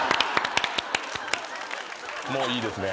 もういいですね。